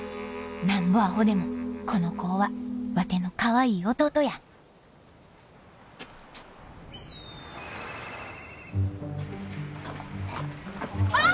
なんぼアホでもこの子はワテのかわいい弟やあっ！